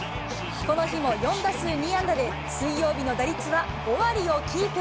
この日も４打数２安打で、水曜日の打率は５割をキープ。